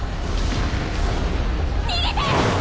逃げて！